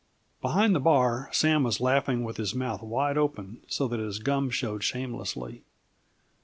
Behind the bar, Sam was laughing with his mouth wide open so that his gum showed shamelessly.